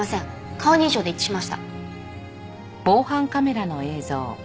顔認証で一致しました。